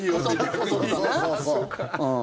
そうそう。